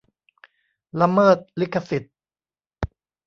ละเมิดลิขสิทธิ์